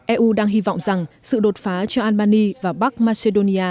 eu đang hy vọng rằng sự đột phá cho albany và bắc macedonia